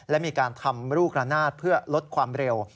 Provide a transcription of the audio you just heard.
และมีการทำลูกระนาดเพื่อลดความเร็ว